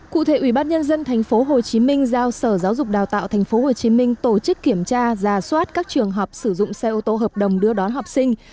cụ thể ủy ban nhân dân tp hcm giao sở giáo dục đào tạo tp hcm tổ chức kiểm tra giả soát các trường hợp sử dụng xe ô tô hợp đồng đưa đón học sinh